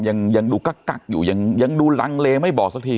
ยังดูกักอยู่ยังดูลังเลไม่บอกสักที